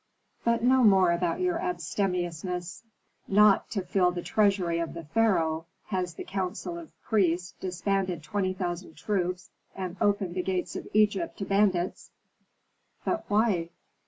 "But no more about your abstemiousness. Not to fill the treasury of the pharaoh has the council of priests disbanded twenty thousand troops and opened the gates of Egypt to bandits." "But why?"